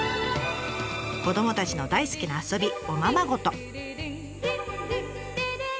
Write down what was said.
子どもたちの大好きな遊びおままごと。